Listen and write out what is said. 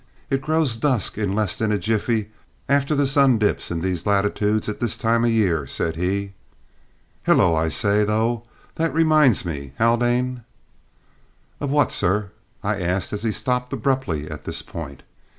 It grows dusk in less than a jiffey after the sun dips in these latitudes at this time o' year," said he. "Hullo! I say, though, that reminds me, Haldane " "Of what, sir?" I asked as he stopped abruptly at this point.